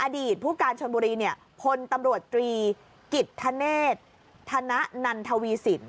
อดีตผู้การชนบุรีเนี่ยพลตำรวจตรีกิจธเนธธนนันทวีสิน